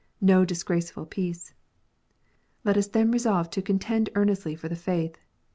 No disgraceful peace !" Let us then resolve to "contend earnestly for the faith."